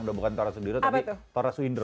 udah bukan tora sendiri tapi tora suindro